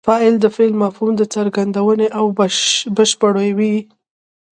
فاعل د فعل مفهوم څرګندوي او بشپړوي.